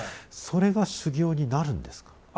それが修行になるんですか？